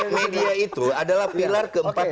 media itu adalah pilar keempat